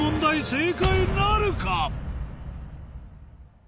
正解なるか？